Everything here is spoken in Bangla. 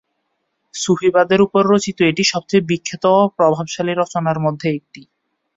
সুফিবাদের উপর রচিত এটি সবচেয়ে বিখ্যাত ও প্রভাবশালী রচনার মধ্যে একটি।